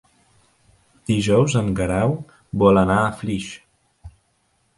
Dijous en Guerau vol anar a Flix.